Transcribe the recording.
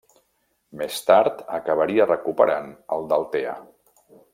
Més tard acabaria recuperant el d'Altea.